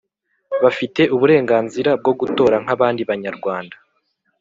Bafite uburenganzira bwo gutora nkabandi banyarwanda